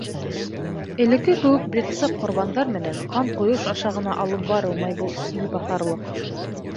Элекке кеүек бихисап ҡорбандар менән, ҡан ҡойош аша ғына алып барылмай был илбаҫарлыҡ.